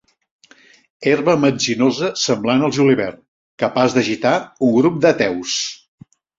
Herba metzinosa semblant al julivert, capaç d'agitar un grup d'ateus.